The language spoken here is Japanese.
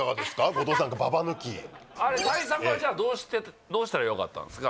後藤さんババ抜きあれ対策はじゃあどうしたらよかったんですか？